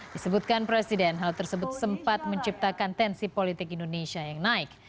disebutkan presiden hal tersebut sempat menciptakan tensi politik indonesia yang naik